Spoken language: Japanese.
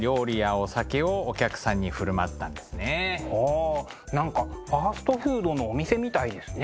あ何かファストフードのお店みたいですね。